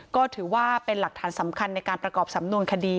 ก็ถือว่าเป็นหลักฐานสำคัญในการประกอบสำนวนคดี